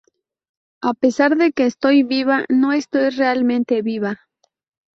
A pesar de que estoy viva, no estoy realmente viva.